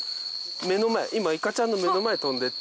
目の前今いかちゃんの目の前飛んでった。